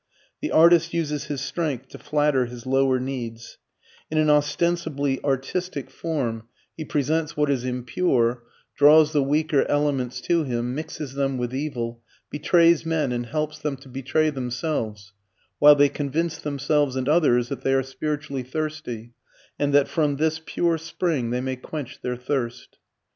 The artist uses his strength to flatter his lower needs; in an ostensibly artistic form he presents what is impure, draws the weaker elements to him, mixes them with evil, betrays men and helps them to betray themselves, while they convince themselves and others that they are spiritually thirsty, and that from this pure spring they may quench their thirst.